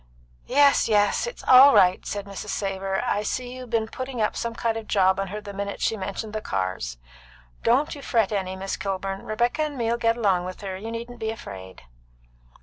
"Yes, yes. It's all right," said Mrs. Savor. "I see you'd be'n putting up some kind of job on her the minute she mentioned the cars. Don't you fret any, Miss Kilburn. Rebecca and me'll get along with her, you needn't be afraid."